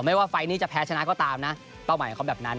ไม่ว่าไฟล์นี้จะแพ้ชนะก็ตามนะเป้าหมายของเขาแบบนั้น